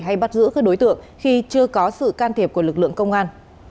hay bắt giữ các đối tượng khi chưa có sự can thiệp của lực lượng công an